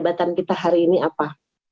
belajar tentang kita hari ini apa